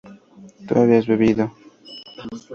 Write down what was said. tú habías bebido